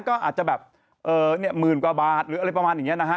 ก็อาจจะแบบเนี่ยหมื่นกว่าบาทหรืออะไรประมาณอย่างนี้นะฮะ